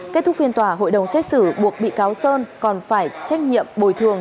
kết thúc phiên tòa hội đồng xét xử buộc bị cáo sơn còn phải trách nhiệm bồi thường